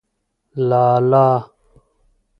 لالا